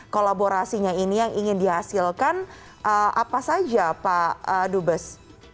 kolaborasinya ini yang ingin dihasilkan apa saja pak dubes